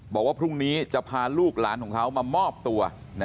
บอกว่าพรุ่งนี้จะพาลูกหลานของเขามามอบตัว